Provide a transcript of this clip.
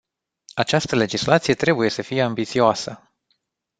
Această legislație trebuie să fie ambițioasă.